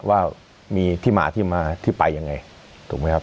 ว่ามีที่มาที่มาที่ไปยังไงถูกไหมครับ